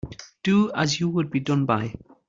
Do as you would be done by.